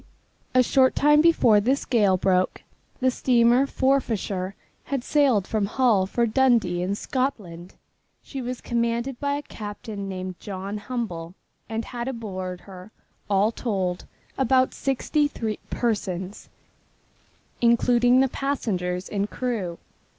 A short time before this gale broke, the steamer Forfarshire had sailed from Hull for Dundee in Scotland. She was commanded by a captain named John Humble and had aboard all told about sixty three persons, including the passengers and crew.